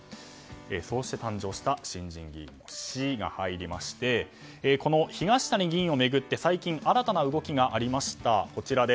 そうして誕生した新人議員の「シ」が入りまして東谷議員を巡って最近新たな動きがありました。